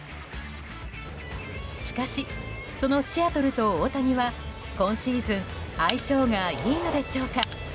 しかし、そのシアトルと大谷は今シーズン相性がいいのでしょうか。